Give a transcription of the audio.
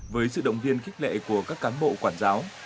với sự động viên khích lệ của các cán bộ quản giáo